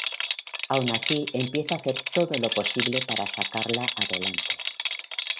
Aun así empieza a hacer todo lo posible para sacarla adelante.